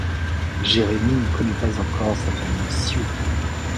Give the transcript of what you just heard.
Jérémie ne connaît pas encore sa famille sioux.